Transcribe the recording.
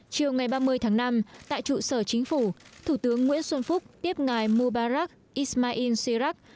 chiều ngày ba mươi tháng năm tại trụ sở chính phủ thủ tướng nguyễn xuân phúc tiếp ngài mubarak ismail sirak